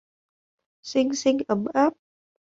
Xinh xinh ấm áp